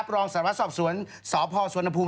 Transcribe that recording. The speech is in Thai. รองสารวัตรสอบสวนสพสวนภูมิ